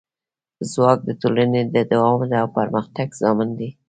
ځواک د ټولنې د دوام او پرمختګ ضامن دی.